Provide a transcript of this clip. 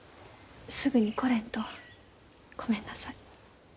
すぐに来れんとごめんなさい。